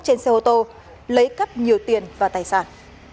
trên xe ô tô lấy cắp nhiều tiền và tài sản